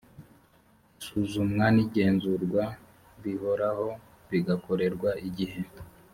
isuzumwa n’igenzurwa bihoraho bigakorerwa igihe